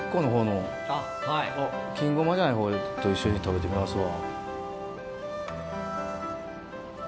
金ゴマじゃない方と一緒に食べてみますわ。